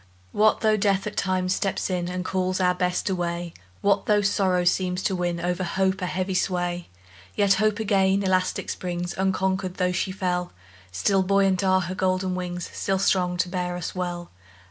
What though Death at times steps in, And calls our Best away? What though sorrow seems to win, O'er hope, a heavy sway? Yet Hope again elastic springs, Unconquered, though she fell; Still buoyant are her golden wings, Still strong to bear us well.